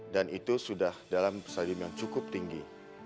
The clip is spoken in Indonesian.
dan itu sudah dalam pesakit yang cukup tinggi